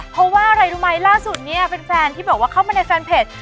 เพราะว่าอะไรรู้มั้ยร่าสุดเป็นแฟนที่เกริ่งแบบเข้ามาในแฟนเพจ